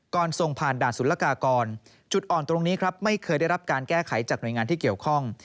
ส่งผ่านด่านศุลกากรจุดอ่อนตรงนี้ครับไม่เคยได้รับการแก้ไขจากหน่วยงานที่เกี่ยวข้อง